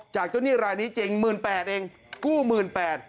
จากเจ้าหนี้รายนี้เจ้งหมื่นแปดเองกู้หมื่นแปด